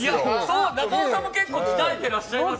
そう中尾さんも結構鍛えてらっしゃいますもんね